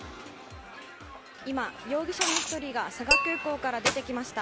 今、容疑者の１人が佐賀空港から出てきました。